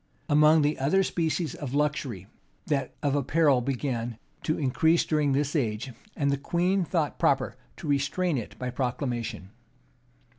[] Among the other species of luxury, that of apparel began much to increase during this age; and the queen thought proper to restrain it by proclamation.